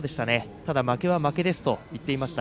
ただ負けは負けですと言っていました。